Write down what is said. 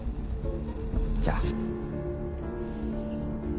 じゃあ。